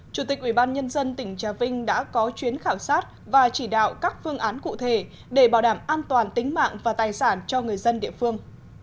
chủ tịch ubnd tỉnh trà vinh đã có chuyến khảo sát và chỉ đạo các phương án cụ thể để bảo đảm an toàn tính mạng và tài sản cho người dân địa phương